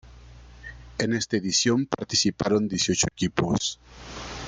En esta edición participaron dieciocho equipos.